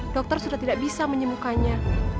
dokter sudah tidak bisa menyembuhkannya